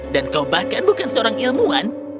dan kau bahkan bukan seorang ilmuwan